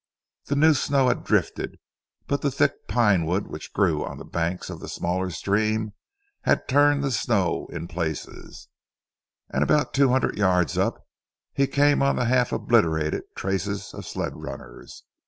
The new snow had drifted, but the thick pinewood which grew on the banks of the smaller stream had turned the snow in places, and about two hundred yards up, he came on the half obliterated traces of sled runners.